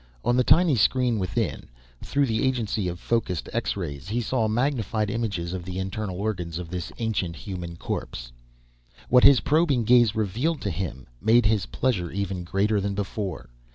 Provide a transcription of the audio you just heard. On the tiny screen within, through the agency of focused X rays, he saw magnified images of the internal organs of this ancient human corpse. What his probing gaze revealed to him, made his pleasure even greater than before.